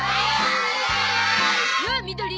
よっみどり。